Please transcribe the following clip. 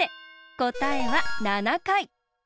こたえは７かい。